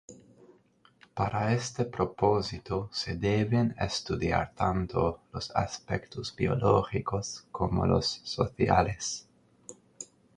Para este propósito se deben estudiar tanto los aspectos biológicos como los sociales.